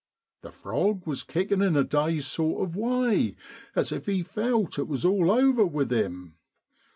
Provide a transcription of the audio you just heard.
The frog was kicking in a dazed sort of way, as if he felt it was all over with him.